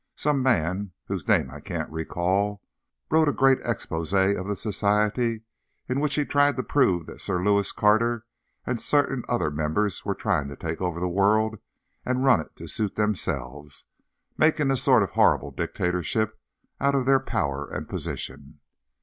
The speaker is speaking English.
Some man, whose name I can't recall, wrote a great "exposé" of the Society, in which he tried to prove that Sir Lewis Carter and certain other members were trying to take over the world and run it to suit themselves, making a sort of horrible dictatorship out of their power and position.